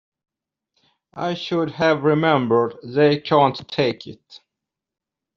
I should have remembered, they can't take it.